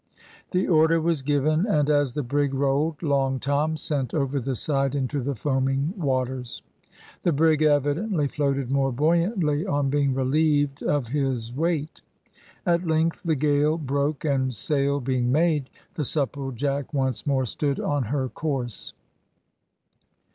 The order was given, and, as the brig rolled, Long Tom sent over the side into the foaming waters. The brig evidently floated more buoyantly on being relieved of his weight. At length the gale broke, and sail being made, the Supplejack once more stood on her course.